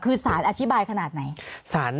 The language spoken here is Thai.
คือสารอธิบายขนาดไหน